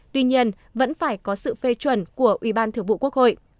tuy nhiên vẫn phải có sự phê chuẩn của ủy ban thượng vụ quốc hội